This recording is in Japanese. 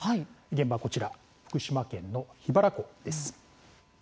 現場はこちら福島県の桧原湖です。